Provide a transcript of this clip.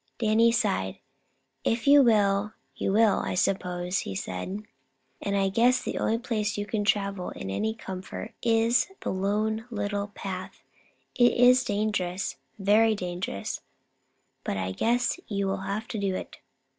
Danny sighed. "If you will, you will, I suppose," said he, "and I guess the only place you can travel in any comfort is the Lone Little Path. It is dangerous, very dangerous, but I guess you will have to do it."